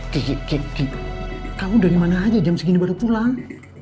kamu dari mana aja jam segini baru pulang